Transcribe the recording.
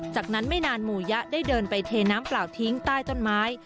จากนั้นไม่นานหมู่ยะได้เดินไปเทน้ำเปล่าทิ้งใต้ต้นไม้